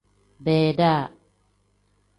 Beeda.